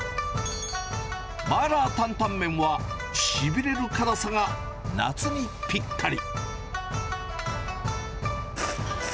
マーラー担々麺は、しびれる辛さが夏にぴったり。